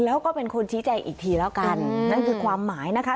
แล้วก็เป็นคนชี้แจงอีกทีแล้วกันนั่นคือความหมายนะคะ